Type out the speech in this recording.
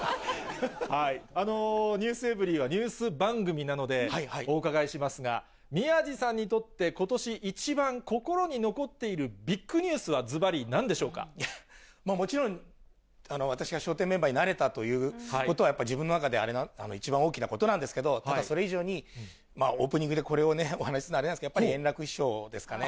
ｎｅｗｓｅｖｅｒｙ．はニュース番組なので、お伺いしますが、宮治さんにとって、ことし一番心に残っているビッグニュースは、ずばりなんでしょうもちろん、私が笑点メンバーになれたということは、やっぱり自分の中で、一番大きなことなんですけど、ただ、それ以上に、オープニングでこれをね、お話しするの、あれなんですけど、やっぱり円楽師匠ですかね。